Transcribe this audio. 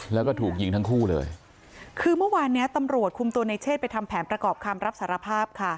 แล้วก็ถูกยิงทั้งคู่เลยคือเมื่อวานเนี้ยตำรวจคุมตัวในเชศไปทำแผนประกอบคำรับสารภาพค่ะ